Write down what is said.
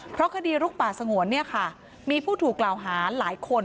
เพราะคดีรุกป่าสงวนมีผู้ถูกกล่าวหาหลายคน